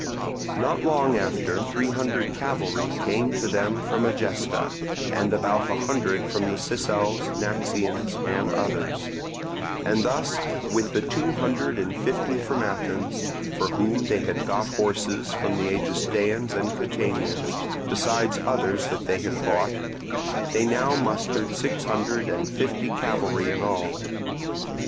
Not long afterwards three hundred cavalry came to them from Egesta, and about a hundred from the Sicels, Naxians, and others; and thus, with the two hundred and fifty from Athens, for whom they had got horses from the Egestaeans and Catanians, besides others that they bought, they now mustered six hundred and fifty cavalry in all.